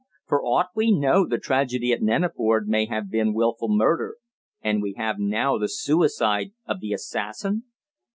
For aught we know the tragedy at Neneford may have been wilful murder; and we have now the suicide of the assassin?"